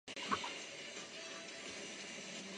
殿试登进士第三甲第一百零九名。